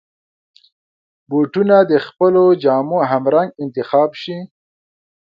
بوټونه د خپلو جامو همرنګ انتخاب شي.